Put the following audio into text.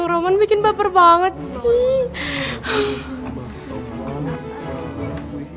roman bikin baper banget sih